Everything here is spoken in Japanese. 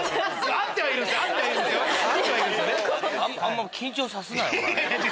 あんま緊張さすなよお前！